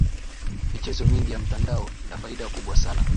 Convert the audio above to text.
michezo mingi ya mtandao ina faida kubwa sana